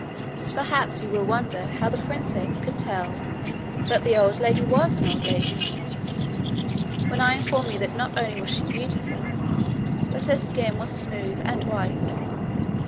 Perhaps you will wonder how the princess could tell that the old lady was an old lady, when I inform you that not only was she beautiful, but her skin was smooth and white.